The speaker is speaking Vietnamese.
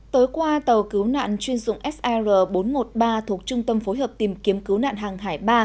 tối qua tàu cứu nạn chuyên dụng sr bốn trăm một mươi ba thuộc trung tâm phối hợp tìm kiếm cứu nạn hàng hải ba